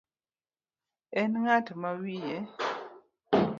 En ng'at ma wiye